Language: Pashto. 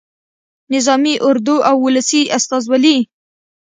نظامي اردو او ولسي استازولي.